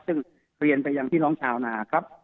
ซึ่งเรียนไปยังพี่น้องชาวนาครับ